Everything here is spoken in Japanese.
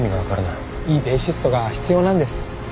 いいベーシストが必要なんです。